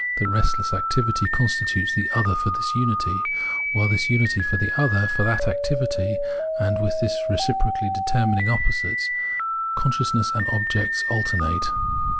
That restless activity constitutes the " other" for this unity, while this unity is the "other" for that activity; and within these reciprocally determining opposites con sciousness and object alternate.